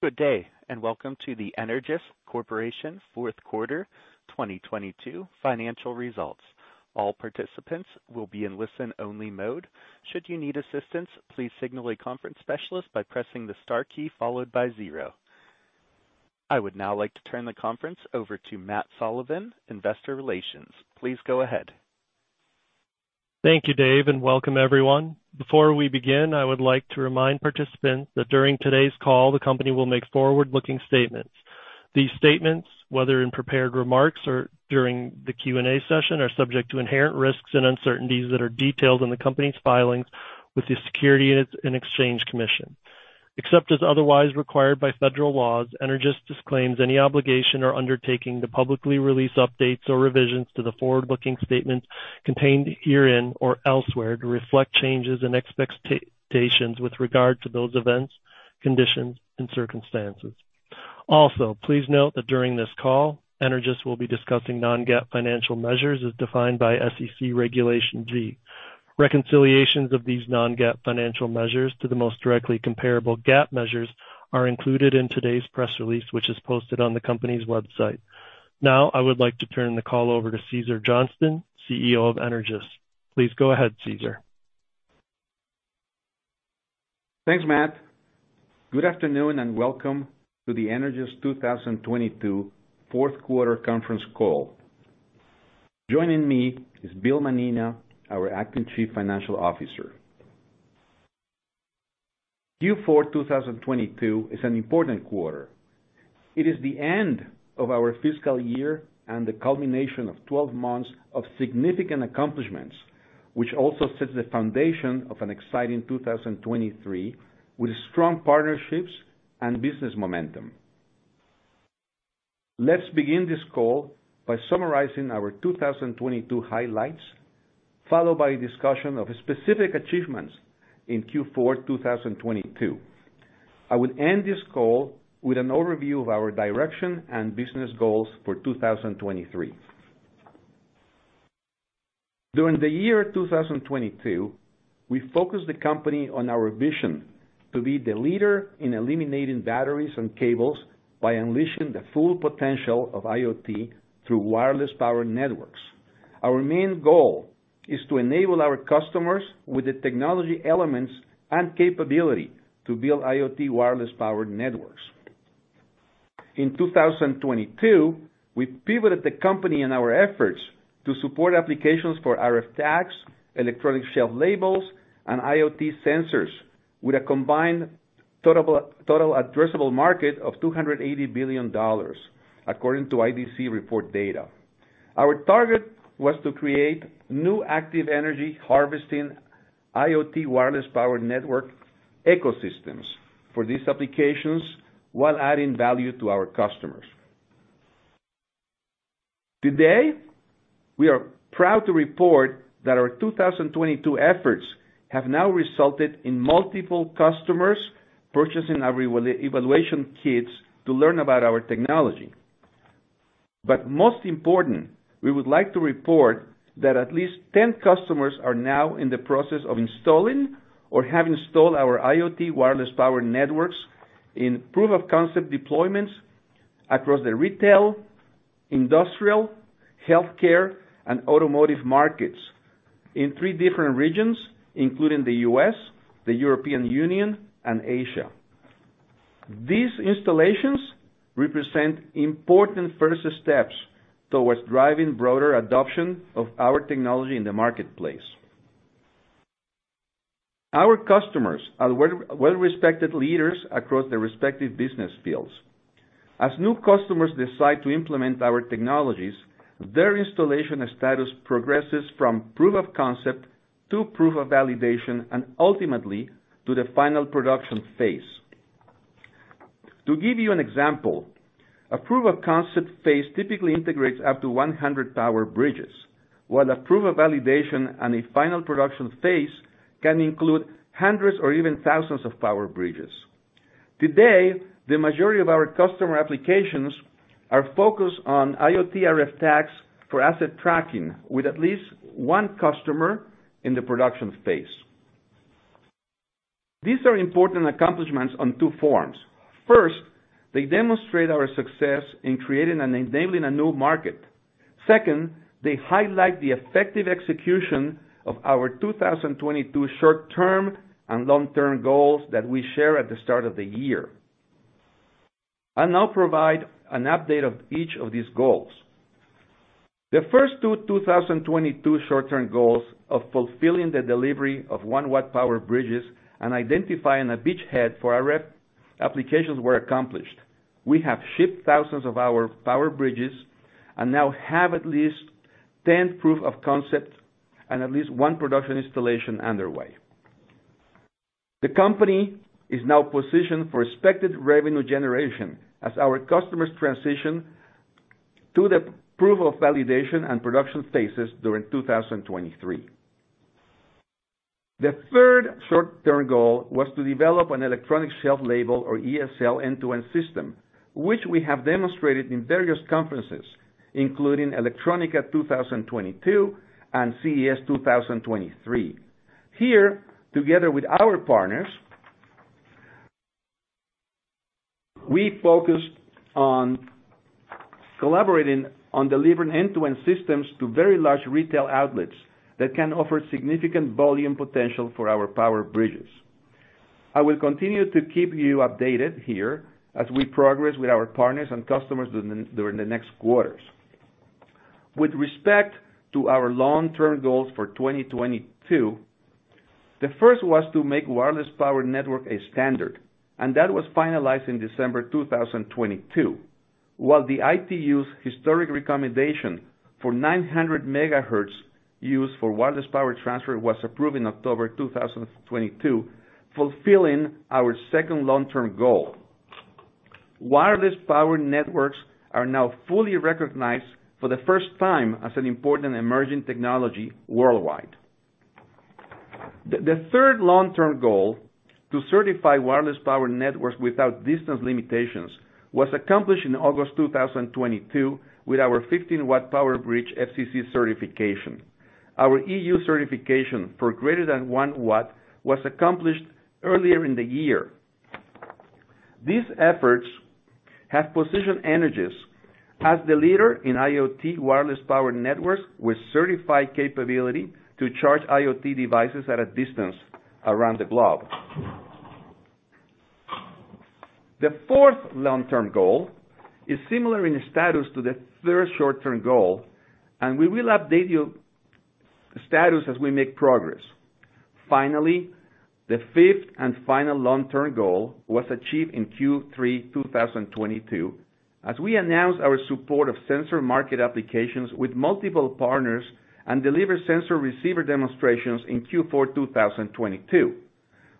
Good day, welcome to the Energous Corporation Fourth Quarter 2022 financial results. All participants will be in listen-only mode. Should you need assistance, please signal a conference specialist by pressing the star key followed by zero. I would now like to turn the conference over to Matt Sullivan, Investor Relations. Please go ahead. Thank you, Dave. Welcome everyone. Before we begin, I would like to remind participants that during today's call, the company will make forward-looking statements. These statements, whether in prepared remarks or during the Q&A session, are subject to inherent risks and uncertainties that are detailed in the company's filings with the Securities and Exchange Commission. Except as otherwise required by federal laws, Energous disclaims any obligation or undertaking to publicly release updates or revisions to the forward-looking statements contained herein or elsewhere to reflect changes in expectations with regard to those events, conditions, and circumstances. Please note that during this call, Energous will be discussing non-GAAP financial measures as defined by SEC Regulation G. Reconciliations of these non-GAAP financial measures to the most directly comparable GAAP measures are included in today's press release, which is posted on the company's website. I would like to turn the call over to Cesar Johnston, CEO of Energous. Please go ahead, Cesar. Thanks, Matt. Good afternoon. Welcome to the Energous 2022 fourth quarter conference call. Joining me is Bill Mannina, our Acting Chief Financial Officer. Q4 2022 is an important quarter. It is the end of our fiscal year and the culmination of 12 months of significant accomplishments, which also sets the foundation of an exciting 2023 with strong partnerships and business momentum. Let's begin this call by summarizing our 2022 highlights, followed by a discussion of specific achievements in Q4 2022. I will end this call with an overview of our direction and business goals for 2023. During the year 2022, we focused the company on our vision to be the leader in eliminating batteries and cables by unleashing the full potential of IoT through wireless power networks. Our main goal is to enable our customers with the technology elements and capability to build IoT wireless power networks. In 2022, we pivoted the company and our efforts to support applications for RF tags, electronic shelf labels, and IoT sensors with a combined total addressable market of $280 billion, according to IDC report data. Our target was to create new active energy harvesting IoT wireless power network ecosystems for these applications while adding value to our customers. Today, we are proud to report that our 2022 efforts have now resulted in multiple customers purchasing our evaluation kits to learn about our technology. Most important, we would like to report that at least 10 customers are now in the process of installing or have installed our IoT wireless power networks in proof-of-concept deployments across the retail, industrial, healthcare, and automotive markets in three different regions, including the U.S., the European Union, and Asia. These installations represent important first steps towards driving broader adoption of our technology in the marketplace. Our customers are well-respected leaders across their respective business fields. As new customers decide to implement our technologies, their installation status progresses from proof-of-concept to proof of validation, and ultimately to the final production phase. To give you an example, a proof-of-concept phase typically integrates up to 100 PowerBridges, while a proof of validation and a final production phase can include hundreds or even thousands of PowerBridges. Today, the majority of our customer applications are focused on IoT RF tags for asset tracking, with at least one customer in the production phase. These are important accomplishments on two forms. First, they demonstrate our success in creating and enabling a new market. Second, they highlight the effective execution of our 2022 short-term and long-term goals that we share at the start of the year. I'll now provide an update of each of these goals. The first two 2022 short-term goals of fulfilling the delivery of 1W PowerBridges and identifying a beachhead for RF applications were accomplished. We have shipped thousands of our PowerBridges and now have at least 10 proof of concept and at least one production installation underway. The company is now positioned for expected revenue generation as our customers transition to the proof of validation and production phases during 2023. The third short-term goal was to develop an electronic shelf label or ESL end-to-end system, which we have demonstrated in various conferences, including Electronica 2022 and CES 2023. Here, together with our partners, we focus on collaborating on delivering end-to-end systems to very large retail outlets that can offer significant volume potential for our PowerBridges. I will continue to keep you updated here as we progress with our partners and customers during the next quarters. With respect to our long-term goals for 2022, the first was to make wireless power network a standard, and that was finalized in December 2022. While the ITU's historic recommendation for 900 MHz use for wireless power transfer was approved in October 2022, fulfilling our second long-term goal. Wireless power networks are now fully recognized for the first time as an important emerging technology worldwide. The third long-term goal, to certify wireless power networks without distance limitations, was accomplished in August 2022 with our 15W PowerBridge FCC certification. Our EU certification for greater than 1 watt was accomplished earlier in the year. These efforts have positioned Energous as the leader in IoT wireless power networks with certified capability to charge IoT devices at a distance around the globe. The fourth long-term goal is similar in status to the third short-term goal, we will update you status as we make progress. The fifth and final long-term goal was achieved in Q3 2022, as we announced our support of sensor market applications with multiple partners and deliver sensor receiver demonstrations in Q4 2022.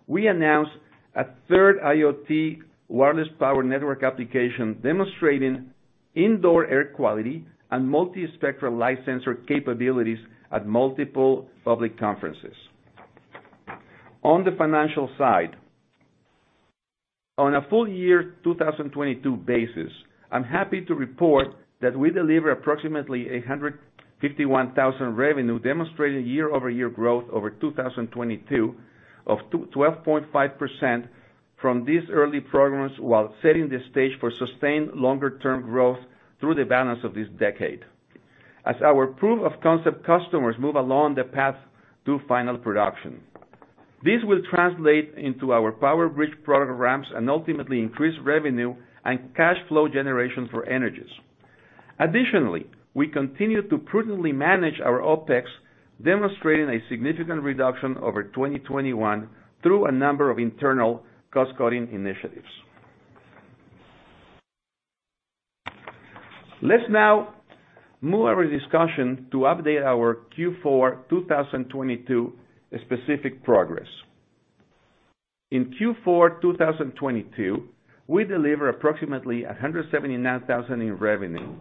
We announced a third IoT wireless power network application demonstrating indoor air quality and multi-spectral light sensor capabilities at multiple public conferences. On the financial side, on a full year 2022 basis, I'm happy to report that we deliver approximately $151,000 revenue, demonstrating year-over-year growth over 2022 of 12.5% from these early programs, while setting the stage for sustained longer-term growth through the balance of this decade as our proof of concept customers move along the path to final production. This will translate into our PowerBridge product ramps and ultimately increase revenue and cash flow generation for Energous. Additionally, we continue to prudently manage our OpEx, demonstrating a significant reduction over 2021 through a number of internal cost-cutting initiatives. Let's now move our discussion to update our Q4 2022 specific progress. In Q4 2022, we deliver approximately $179,000 in revenue.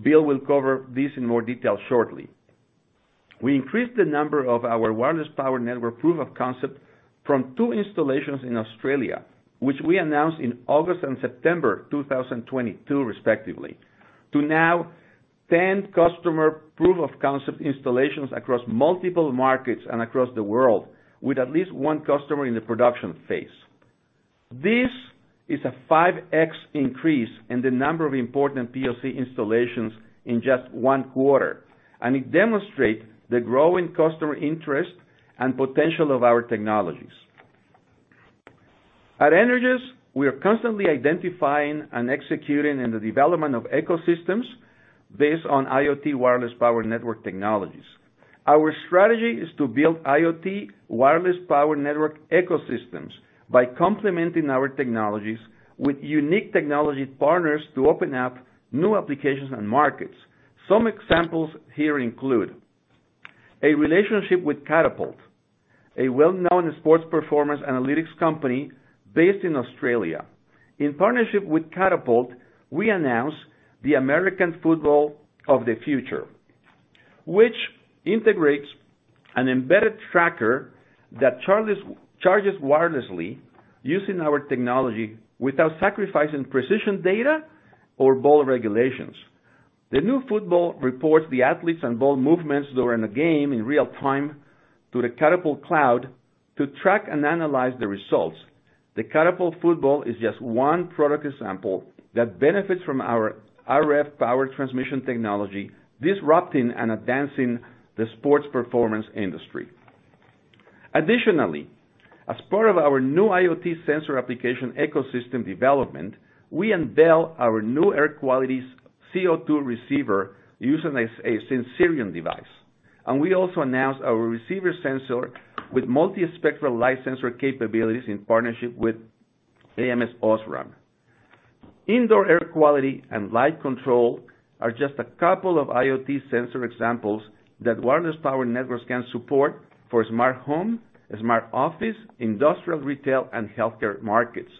Bill will cover this in more detail shortly. We increased the number of our wireless power network proof of concept from two installations in Australia, which we announced in August and September 2022 respectively, to now 10 customer proof of concept installations across multiple markets and across the world with at least one customer in the production phase. This is a 5x increase in the number of important POC installations in just one quarter. It demonstrate the growing customer interest and potential of our technologies. At Energous, we are constantly identifying and executing in the development of ecosystems based on IoT wireless power network technologies. Our strategy is to build IoT wireless power network ecosystems by complementing our technologies with unique technology partners to open up new applications and markets. Some examples here include a relationship with Catapult, a well-known sports performance analytics company based in Australia. In partnership with Catapult, we announced the American football of the future, which integrates an embedded tracker that charges wirelessly using our technology without sacrificing precision data or ball regulations. The new football reports the athletes and ball movements during a game in real time to the Catapult cloud to track and analyze the results. The Catapult football is just one product example that benefits from our RF power transmission technology, disrupting and advancing the sports performance industry. Additionally, as part of our new IoT sensor application ecosystem development, we unveil our new air quality CO2 receiver using a Sensirion device. We also announced our receiver sensor with multi-spectral light sensor capabilities in partnership with ams OSRAM. Indoor air quality and light control are just a couple of IoT sensor examples that wireless power networks can support for smart home, smart office, industrial, retail, and healthcare markets,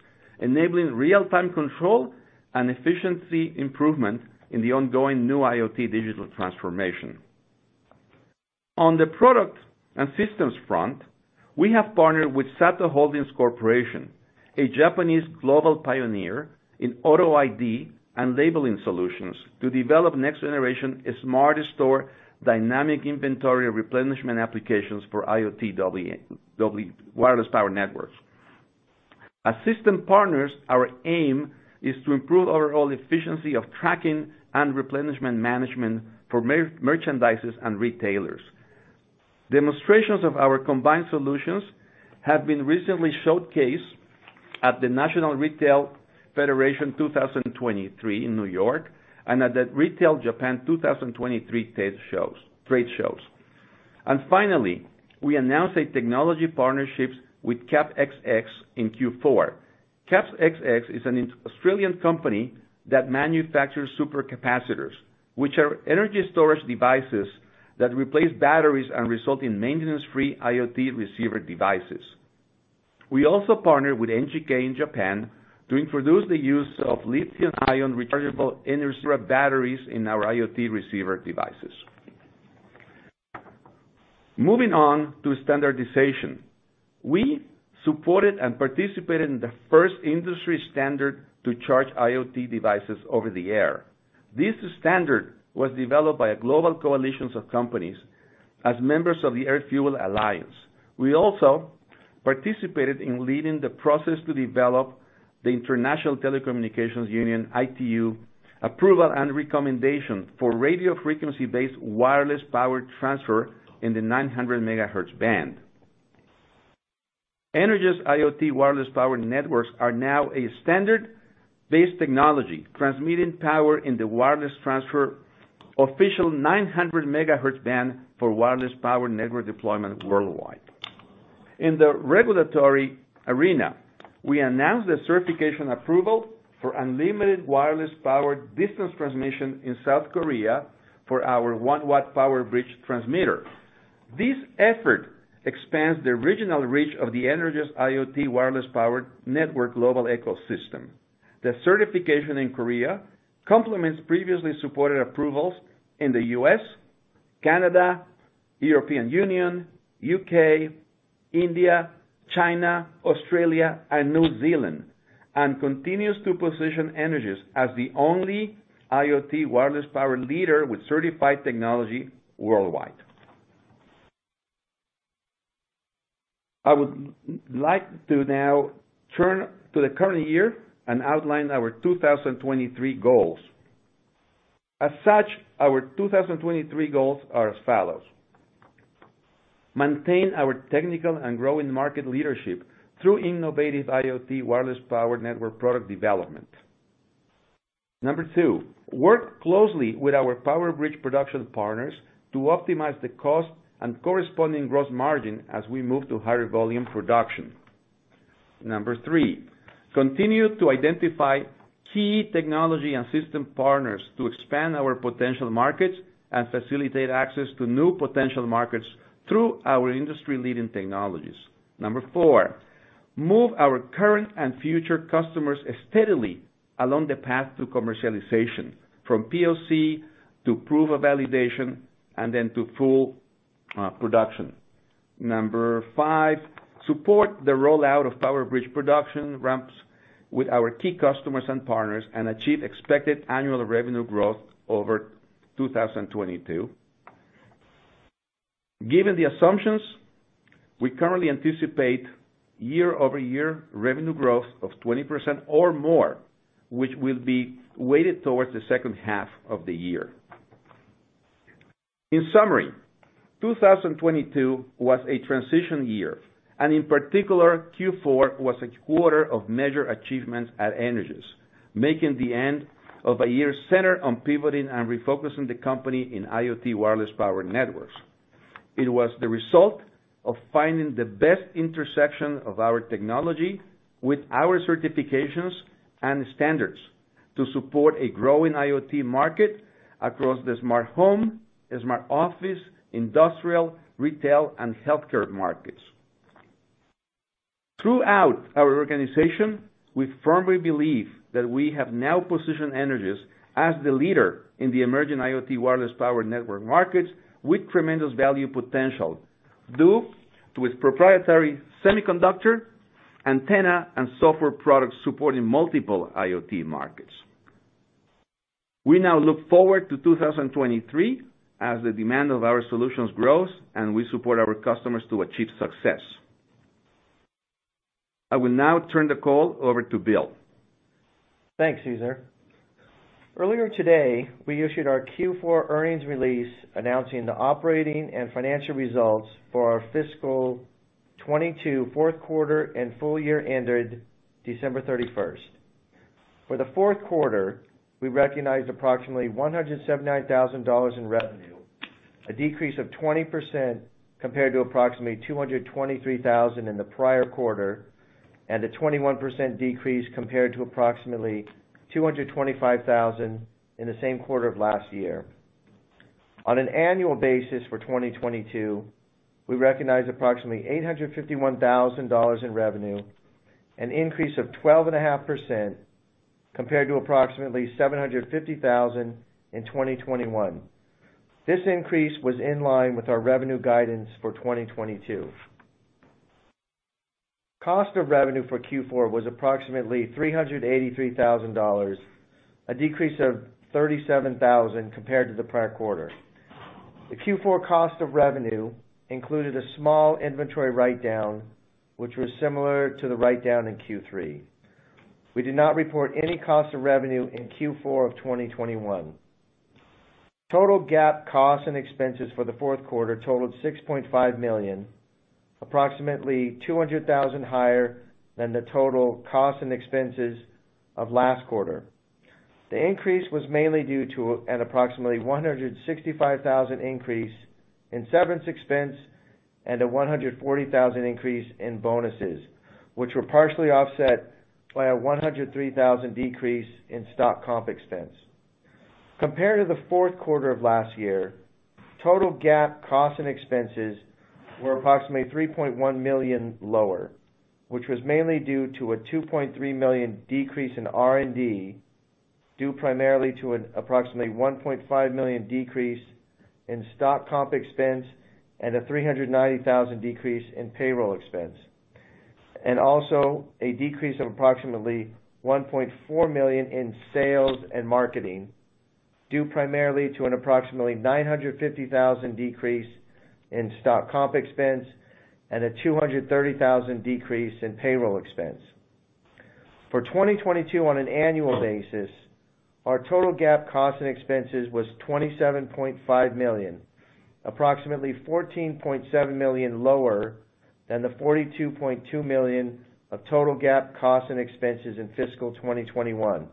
enabling real-time control and efficiency improvement in the ongoing new IoT digital transformation. On the product and systems front, we have partnered with SATO Holdings Corporation, a Japanese global pioneer in auto-ID and labeling solutions to develop next generation smart store dynamic inventory replenishment applications for IoT wireless power networks. As system partners, our aim is to improve overall efficiency of tracking and replenishment management for merchandisers and retailers. Demonstrations of our combined solutions have been recently showcased at the National Retail Federation 2023 in New York and at the Retail Japan 2023 trade shows. Finally, we announced a technology partnerships with CAP-XX in Q4. CAP-XX is an Australian company that manufactures supercapacitors, which are energy storage devices that replace batteries and result in maintenance-free IoT receiver devices. We also partner with NGK in Japan to introduce the use of lithium-ion rechargeable energy batteries in our IoT receiver devices. Moving on to standardization. We supported and participated in the first industry standard to charge IoT devices over the air. This standard was developed by a global coalitions of companies as members of the AirFuel Alliance. We also participated in leading the process to develop the International Telecommunication Union, ITU, approval and recommendation for radio frequency-based wireless power transfer in the 900 MHz band. Energous IoT wireless power networks are now a standard-based technology, transmitting power in the wireless transfer official 900 MHz band for wireless power network deployment worldwide. In the regulatory arena, we announced the certification approval for unlimited wireless power distance transmission in South Korea for our 1-watt PowerBridge transmitter. This effort expands the original reach of the Energous IoT wireless power network global ecosystem. The certification in Korea complements previously supported approvals in the U.S., Canada, European Union, U.K., India, China, Australia, and New Zealand, continues to position Energous as the only IoT wireless power leader with certified technology worldwide. I would like to now turn to the current year and outline our 2023 goals. As such, our 2023 goals are as follows: Maintain our technical and growing market leadership through innovative IoT wireless power network product development. Number two, work closely with our PowerBridge production partners to optimize the cost and corresponding gross margin as we move to higher volume production. Number three, continue to identify key technology and system partners to expand our potential markets and facilitate access to new potential markets through our industry-leading technologies. Number four, move our current and future customers steadily along the path to commercialization, from POC to proof of validation and then to full production. Number five, support the rollout of PowerBridge production ramps with our key customers and partners, and achieve expected annual revenue growth over 2022. Given the assumptions, we currently anticipate year-over-year revenue growth of 20% or more, which will be weighted towards the second half of the year. In summary, 2022 was a transition year, and in particular, Q4 was a quarter of measure achievements at Energous, making the end of a year centered on pivoting and refocusing the company in IoT wireless power networks. It was the result of finding the best intersection of our technology with our certifications and standards to support a growing IoT market across the smart home, smart office, industrial, retail, and healthcare markets. Throughout our organization, we firmly believe that we have now positioned Energous as the leader in the emerging IoT wireless power network markets with tremendous value potential, due to its proprietary semiconductor, antenna, and software products supporting multiple IoT markets. We now look forward to 2023 as the demand of our solutions grows and we support our customers to achieve success. I will now turn the call over to Bill. Thanks, Cesar. Earlier today, we issued our Q4 earnings release announcing the operating and financial results for our fiscal 2022 fourth quarter and full year ended December 31. For the fourth quarter, we recognized approximately $179,000 in revenue, a decrease of 20% compared to approximately $223,000 in the prior quarter, and a 21% decrease compared to approximately $225,000 in the same quarter of last year. On an annual basis for 2022, we recognized approximately $851,000 in revenue, an increase of 12.5% Compared to approximately $750,000 in 2021. This increase was in line with our revenue guidance for 2022. Cost of revenue for Q4 was approximately $383,000, a decrease of $37,000 compared to the prior quarter. The Q4 cost of revenue included a small inventory write-down, which was similar to the write-down in Q3. We did not report any cost of revenue in Q4 of 2021. Total GAAP costs and expenses for the fourth quarter totaled $6.5 million, approximately $200,000 higher than the total costs and expenses of last quarter. The increase was mainly due to an approximately $165,000 increase in severance expense and a $140,000 increase in bonuses, which were partially offset by a $103,000 decrease in stock comp expense. Compared to the fourth quarter of last year, total GAAP costs and expenses were approximately $3.1 million lower, which was mainly due to a $2.3 million decrease in R&D, due primarily to an approximately $1.5 million decrease in stock comp expense and a $390,000 decrease in payroll expense. Also a decrease of approximately $1.4 million in sales and marketing, due primarily to an approximately $950,000 decrease in stock comp expense and a $230,000 decrease in payroll expense. For 2022 on an annual basis, our total GAAP costs and expenses was $27.5 million, approximately $14.7 million lower than the $42.2 million of total GAAP costs and expenses in fiscal 2021.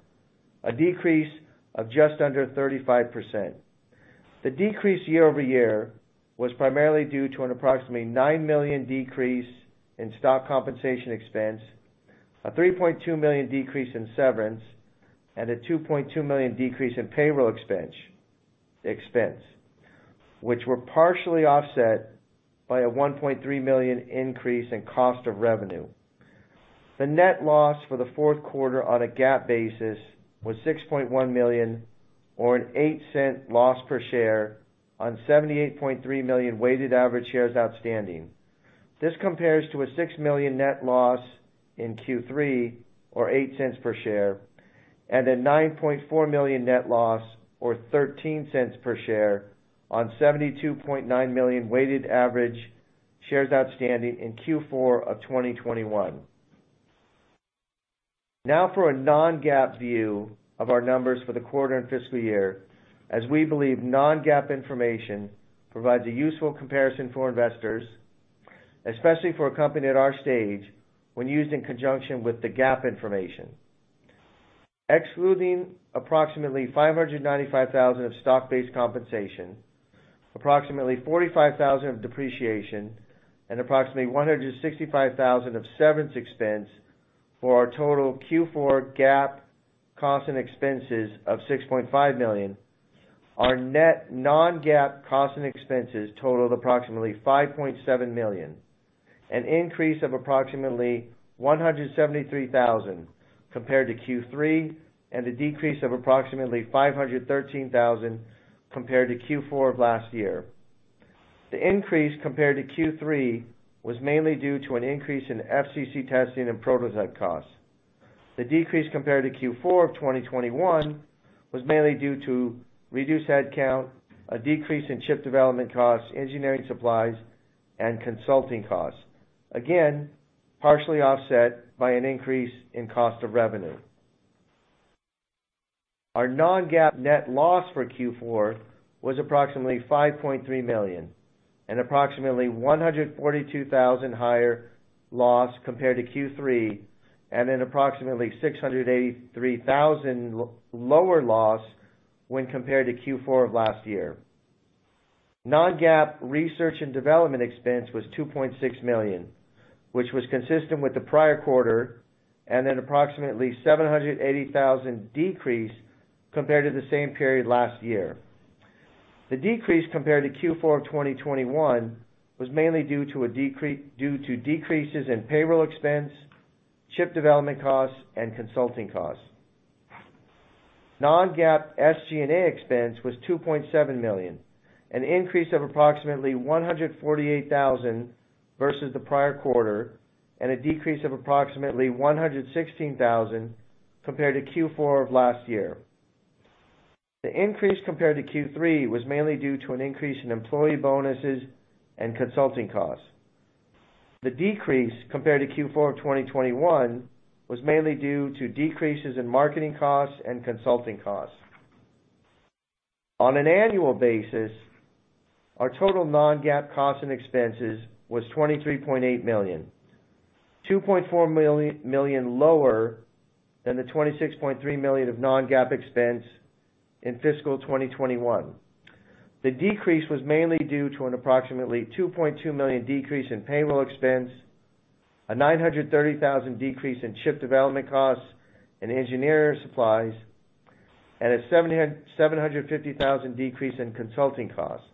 A decrease of just under 35%. The decrease year-over-year was primarily due to an approximately $9 million decrease in stock compensation expense, a $3.2 million decrease in severance, and a $2.2 million decrease in payroll expense, which were partially offset by a $1.3 million increase in cost of revenue. The net loss for the fourth quarter on a GAAP basis was $6.1 million or an $0.08 loss per share on 78.3 million weighted average shares outstanding. This compares to a $6 million net loss in Q3 or $0.08 per share, and a $9.4 million net loss or $0.13 per share on 72.9 million weighted average shares outstanding in Q4 of 2021. Now for a non-GAAP view of our numbers for the quarter and fiscal year, as we believe non-GAAP information provides a useful comparison for investors, especially for a company at our stage, when used in conjunction with the GAAP information. Excluding approximately $595,000 of stock-based compensation, approximately $45,000 of depreciation, and approximately $165,000 of severance expense for our total Q4 GAAP costs and expenses of $6.5 million, our net non-GAAP costs and expenses totaled approximately $5.7 million, an increase of approximately $173,000 compared to Q3, and a decrease of approximately $513,000 compared to Q4 of last year. The increase compared to Q3 was mainly due to an increase in FCC testing and prototype costs. The decrease compared to Q4 of 2021 was mainly due to reduced headcount, a decrease in chip development costs, engineering supplies and consulting costs. Again, partially offset by an increase in cost of revenue. Our non-GAAP net loss for Q4 was approximately $5.3 million, an approximately $142,000 higher loss compared to Q3, and an approximately $683,000 lower loss when compared to Q4 of last year. Non-GAAP research and development expense was $2.6 million, which was consistent with the prior quarter, and an approximately $780,000 decrease compared to the same period last year. The decrease compared to Q4 of 2021 was mainly due to decreases in payroll expense, chip development costs and consulting costs. Non-GAAP SG&A expense was $2.7 million, an increase of approximately $148,000 versus the prior quarter. A decrease of approximately $116,000 compared to Q4 of last year. The increase compared to Q3 was mainly due to an increase in employee bonuses and consulting costs. The decrease compared to Q4 of 2021 was mainly due to decreases in marketing costs and consulting costs. On an annual basis, our total non-GAAP costs and expenses was $23.8 million, $2.4 million lower than the $26.3 million of non-GAAP expense in fiscal 2021. The decrease was mainly due to an approximately $2.2 million decrease in payroll expense, a $930,000 decrease in chip development costs and engineering supplies, and a $750,000 decrease in consulting costs.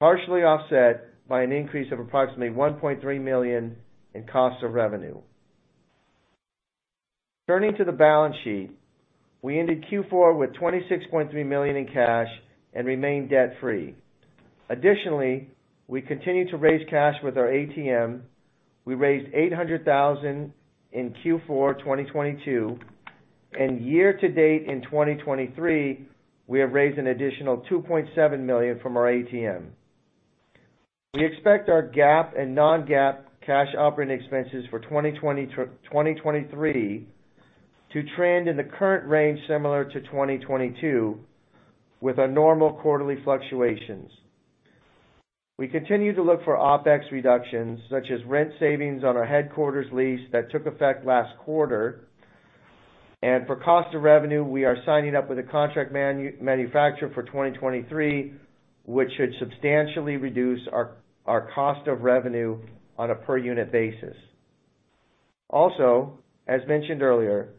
Partially offset by an increase of approximately $1.3 million in cost of revenue. Turning to the balance sheet, we ended Q4 with $26.3 million in cash and remain debt-free. Additionally, we continue to raise cash with our ATM. We raised $800,000 in Q4 2022, and year-to-date in 2023, we have raised an additional $2.7 million from our ATM. We expect our GAAP and non-GAAP cash operating expenses for 2023 to trend in the current range similar to 2022 with our normal quarterly fluctuations. We continue to look for OpEx reductions such as rent savings on our headquarters lease that took effect last quarter. For cost of revenue, we are signing up with a contract manufacturer for 2023, which should substantially reduce our cost of revenue on a per unit basis. As mentioned earlier,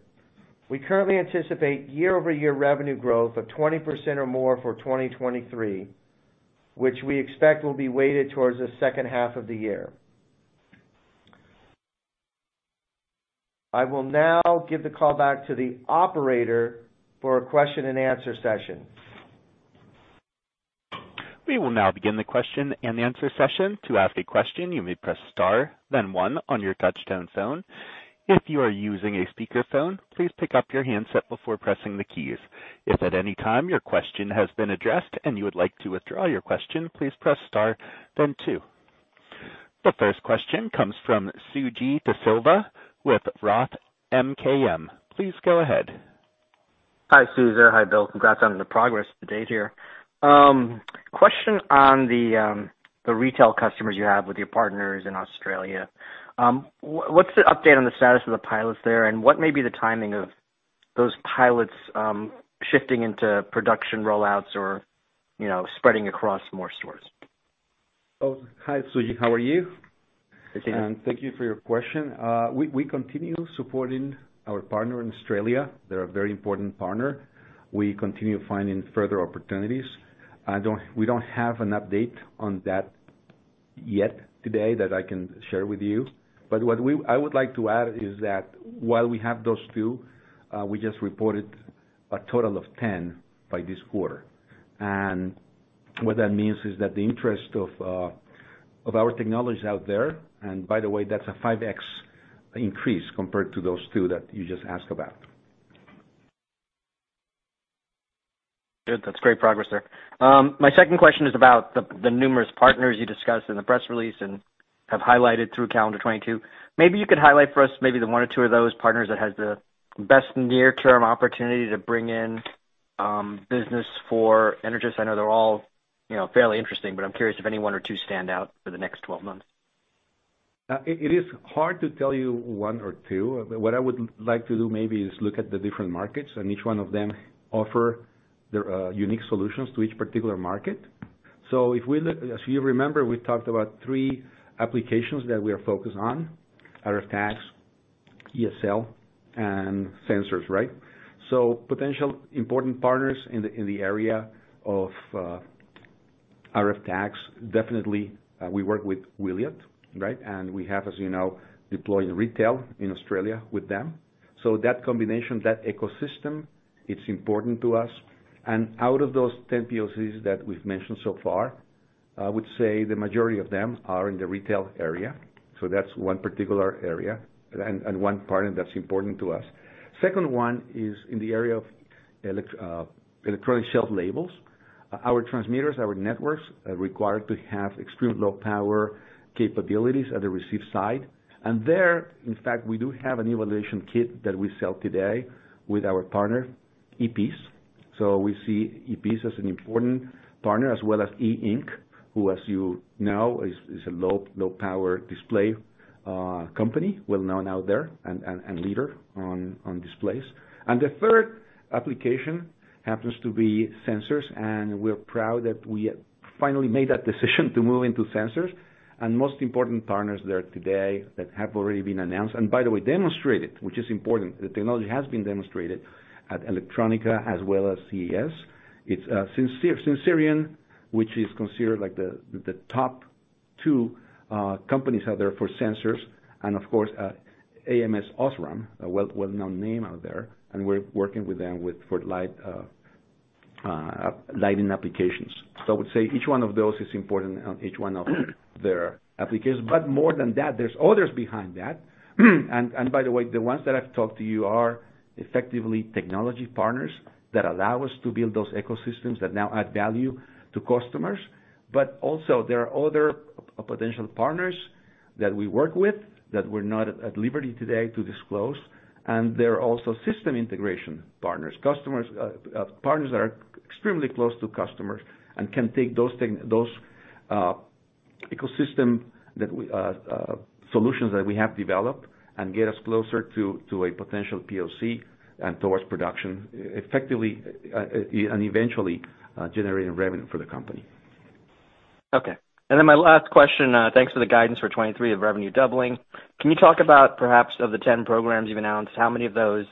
we currently anticipate year-over-year revenue growth of 20% or more for 2023, which we expect will be weighted towards the second half of the year. I will now give the call back to the operator for a question-and-answer session. We will now begin the question-and-answer session. To ask a question, you may press star then one on your touch-tone phone. If you are using a speakerphone, please pick up your handset before pressing the keys. If at any time your question has been addressed and you would like to withdraw your question, please press star then two. The first question comes from Suji Desilva with Roth MKM. Please go ahead. Hi, Cesar. Hi, Bill. Congrats on the progress to date here. Question on the retail customers you have with your partners in Australia. What's the update on the status of the pilots there, and what may be the timing of those pilots, shifting into production rollouts or, you know, spreading across more stores? Oh, hi, Suji. How are you? Hi, Cesar. Thank you for your question. We continue supporting our partner in Australia. They're a very important partner. We continue finding further opportunities. We don't have an update on that yet today that I can share with you. What I would like to add is that while we have those two, we just reported a total of 10 by this quarter. What that means is that the interest of our technology is out there, and by the way, that's a 5x increase compared to those two that you just asked about. Good. That's great progress there. My second question is about the numerous partners you discussed in the press release and have highlighted through calendar 2022. Maybe you could highlight for us maybe the one or two of those partners that has the best near-term opportunity to bring in business for Energous. I know they're all, you know, fairly interesting, but I'm curious if any one or two stand out for the next 12 months. It is hard to tell you one or two. What I would like to do maybe is look at the different markets. Each one of them offer their unique solutions to each particular market. If you remember, we talked about three applications that we are focused on, RF tags, ESL, and sensors, right? Potential important partners in the area of RF tags, definitely, we work with Wiliot, right? We have, as you know, deployed retail in Australia with them. That combination, that ecosystem, it's important to us. Out of those 10 POCs that we've mentioned so far, I would say the majority of them are in the retail area. That's one particular area and one partner that's important to us. Second one is in the area of electronic shelf labels. Our transmitters, our networks are required to have extreme low power capabilities at the receive side. There, in fact, we do have an evaluation kit that we sell today with our partner, e-peas. We see e-peas as an important partner as well as E Ink, who, as you know, is a low, low power display company, well known out there and leader on displays. The third application happens to be sensors, and we're proud that we finally made that decision to move into sensors. Most important partners there today that have already been announced, and by the way, demonstrated, which is important. The technology has been demonstrated at Electronica as well as CES. It's Sensirion, which is considered like the top two companies out there for sensors. Of course, ams OSRAM, a well-known name out there, and we're working with them with, for light, lighting applications. I would say each one of those is important on each one of their applications. More than that, there's others behind that. By the way, the ones that I've talked to you are effectively technology partners that allow us to build those ecosystems that now add value to customers. Also there are other potential partners that we work with that we're not at liberty today to disclose. There are also system integration partners. Customers. Partners that are extremely close to customers and can take those ecosystem that we... solutions that we have developed and get us closer to a potential POC and towards production, effectively, and eventually, generating revenue for the company. Okay. My last question, thanks for the guidance for 2023 of revenue doubling. Can you talk about perhaps of the 10 programs you've announced, how many of those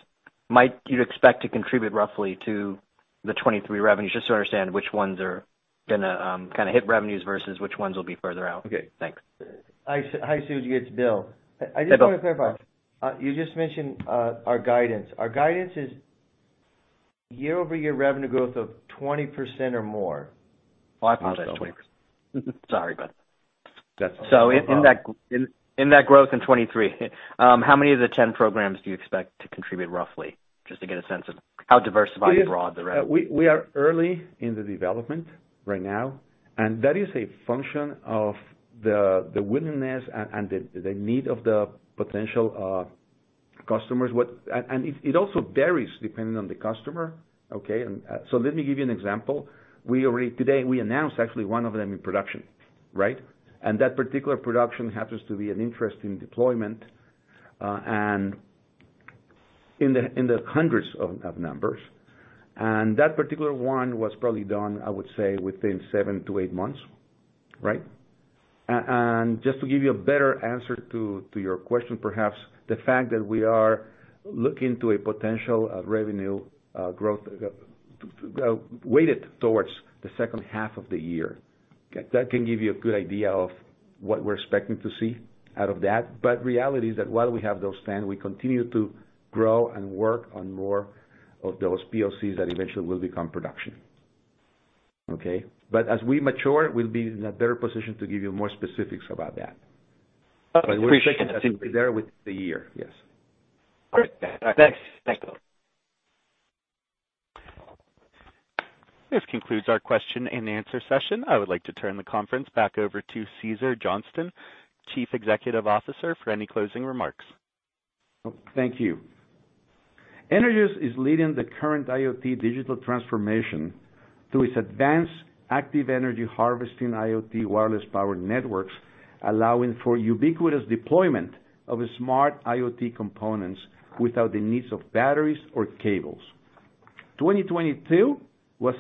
might you expect to contribute roughly to the 2023 revenues, just to understand which ones are gonna kind of hit revenues versus which ones will be further out? Okay. Thanks. Hi, Sujit. It's Bill. Hey, Bill. I just want to clarify. You just mentioned our guidance. Our guidance is year-over-year revenue growth of 20% or more. I apologize, Bill. Sorry about that. That's all right. No problem. In that growth in 2023, how many of the 10 programs do you expect to contribute roughly? Just to get a sense of how diversified and broad the revenue. We are early in the development right now, and that is a function of the willingness and the need of the potential customers. It also varies depending on the customer, okay? Let me give you an example. Today, we announced actually one of them in production, right? That particular production happens to be an interesting deployment, and in the hundreds of numbers. That particular one was probably done, I would say, within seven to eight months, right? Just to give you a better answer to your question perhaps, the fact that we are looking to a potential revenue growth, well, weighted towards the second half of the year. That can give you a good idea of what we're expecting to see out of that. Reality is that while we have those 10, we continue to grow and work on more of those POCs that eventually will become production. Okay? As we mature, we'll be in a better position to give you more specifics about that. I appreciate that. We're expecting to be there within the year. Yes. All right. Thanks. Thanks, Bill. This concludes our question-and-answer session. I would like to turn the conference back over to Cesar Johnston, Chief Executive Officer, for any closing remarks. Thank you. Energous is leading the current IoT digital transformation through its advanced active energy harvesting IoT wireless power networks, allowing for ubiquitous deployment of the smart IoT components without the needs of batteries or cables. 2022 was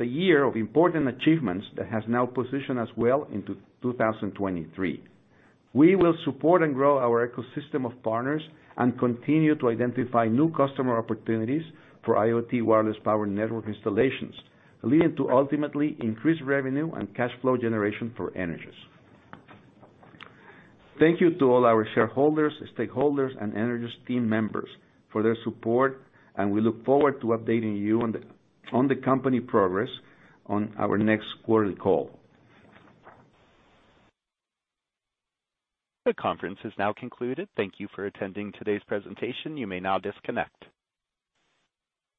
a year of important achievements that has now positioned us well into 2023. We will support and grow our ecosystem of partners and continue to identify new customer opportunities for IoT wireless power network installations, leading to ultimately increased revenue and cash flow generation for Energous. Thank you to all our shareholders, stakeholders, and Energous team members for their support, and we look forward to updating you on the company progress on our next quarterly call. The conference is now concluded. Thank you for attending today's presentation. You may now disconnect.